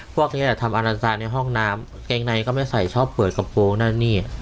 พวกนี้ทำอาณาจารย์ในห้องน้ำเกงในก็ไม่ใส่ชอบเปิดกระโปรงนั่นนี่